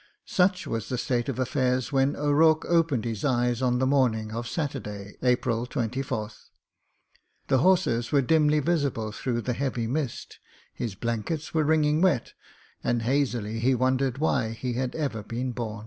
Such was the state of affairs when O'Rourke opened his eyes on the morning of Saturday, April 36 MEN, WOMEN AND GUNS 24th. The horses were dimly visible through the heavy mist, his blankets were wringing wet, and hazily he wondered why he had ever been bom.